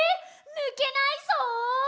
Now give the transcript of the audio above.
ぬけないぞ！！」